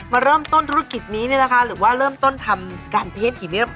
มาเริ่มต้นธุรกิจนี้นะคะหรือว่าเริ่มต้นทำการเทปกิน